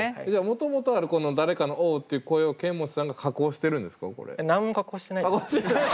もともとあるこの誰かの「おう」という声をケンモチさんが加工しているんですか？